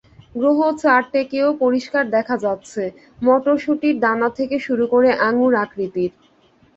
গ্রহ চারটেকেও পরিষ্কার দেখা যাচ্ছে—মটরশুঁটির দানা থেকে শুরু করে আঙুর আকৃতির।